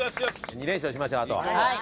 ２連勝しましょうあと。